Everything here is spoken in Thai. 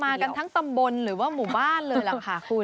กันทั้งตำบลหรือว่าหมู่บ้านเลยล่ะค่ะคุณ